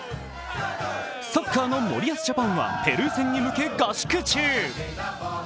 サッカーの森保ジャパンはペルー戦に向け合宿中。